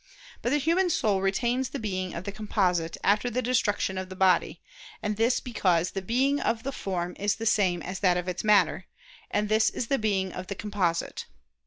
But the human soul retains the being of the composite after the destruction of the body: and this because the being of the form is the same as that of its matter, and this is the being of the composite.